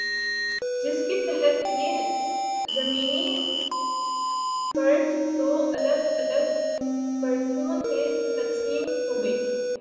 جس کی تحت یہ زمینی پرت دو الگ الگ پرتوں میں تقسیم ہوگی۔